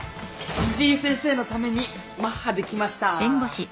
辻井先生のためにマッハで来ましたぁ。